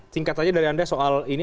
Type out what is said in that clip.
singkat saja dari anda soal ini